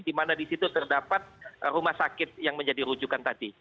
di mana di situ terdapat rumah sakit yang menjadi rujukan tadi